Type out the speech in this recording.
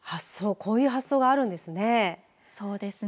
こういう発想があるんですね。